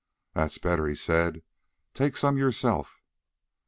"That's better," he said; "take some yourself."